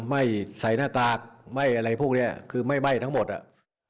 ไม่ใส่หน้ากากไม่อะไรพวกเนี้ยคือไม่ไหม้ทั้งหมดอ่ะ